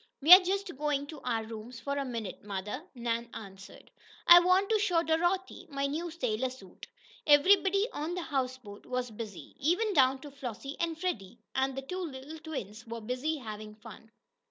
"We are just going to our rooms for a minute, mother," Nan answered. "I want to show Dorothy my new sailor suit." Every body on the houseboat was busy, even down to Flossie and Freddie, and the two little twins were busy having fun.